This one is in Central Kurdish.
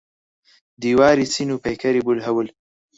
دیواری چین و پەیکەری بولهەول.